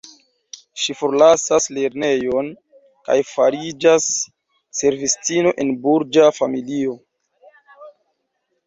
Ŝi forlasas lernejon kaj fariĝas servistino en burĝa familio.